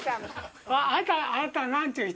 わあ、あなた、何という人？